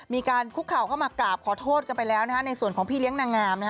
มีการคุกเข่าเข้ามากราบขอโทษกันไปแล้วนะฮะในส่วนของพี่เลี้ยงนางงามนะฮะ